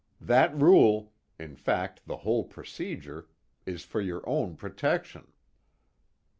That rule in fact the whole procedure is for your own protection."